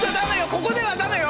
ここではだめよ。